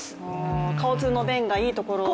交通の便がいいところ？